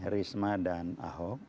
risma dan ahok